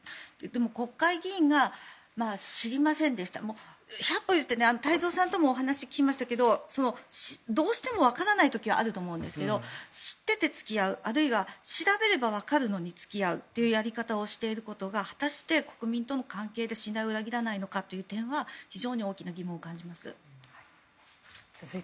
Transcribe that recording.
でも国会議員が知りませんでした百歩譲って太蔵さんにもお話を聞きましたがどうしてもわからない時があると思うんですが知ってて付き合うあるいは調べればわかるのに付き合うというやり方をしていることが果たして国民との関係で信頼を裏切らないのかという点は非常に大きな疑問を感じます。